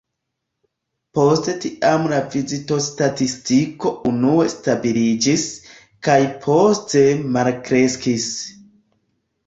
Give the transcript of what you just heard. Post tiam la vizitostatistiko unue stabiliĝis, kaj poste malkreskis.